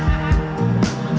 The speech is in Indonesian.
lebih seru banget